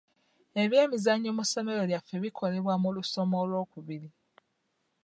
Ebyemizannyo mu ssomero lyaffe bikolebwa mu lusoma olwokubiri.